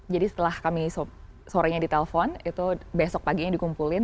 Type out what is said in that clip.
jadi setelah kami sorenya ditelpon itu besok paginya dikumpulin